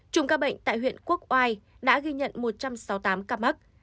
trung ca bệnh tại huyện quốc oai đã ghi nhận một trăm sáu mươi tám ca mắc